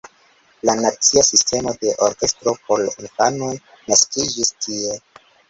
La nacia sistemo de orkestro por infanoj naskiĝis tie.